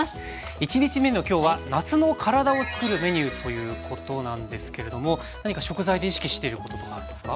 １日目の今日は「夏の体をつくるメニュー」ということなんですけれども何か食材で意識していることとかあるんですか？